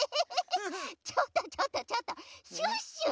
ちょっとちょっとちょっとシュッシュ！